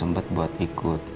sempet buat ikut